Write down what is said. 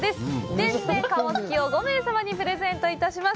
「天然鴨すき」を５名様にプレゼントいたします。